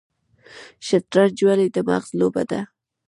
شطرنج ولې د مغز لوبه ده؟